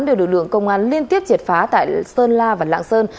đều được lượng công an liên tiếp triệt phá tại sơn la và lạng sơn